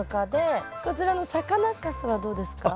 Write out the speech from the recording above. こちらの魚かすはどうですか？